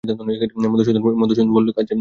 মধুসূদন বললে, কাজ আছে।